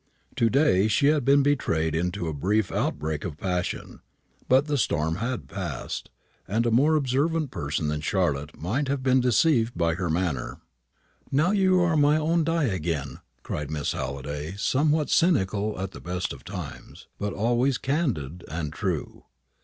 To day she had been betrayed into a brief outbreak of passion; but the storm had passed, and a more observant person than Charlotte might have been deceived by her manner. "Now you are my own Di again," cried Miss Halliday; somewhat cynical at the best of times, but always candid and true.